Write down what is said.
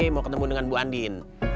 mau ketemu dengan bu andin